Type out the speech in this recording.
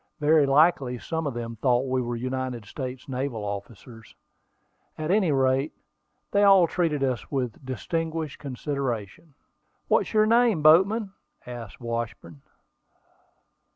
Very likely some of them thought we were United States naval officers: at any rate, they all treated us with "distinguished consideration." "What's your name, boatman?" asked Washburn.